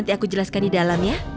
nanti aku jelaskan di dalam ya